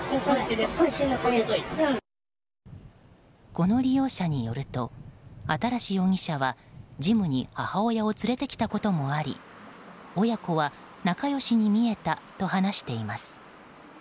この利用者によると新容疑者はジムに母親を連れてきたこともあり親子は仲良しに見えたと話しています。